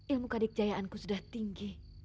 ilmu kadik jayaanku sudah tinggi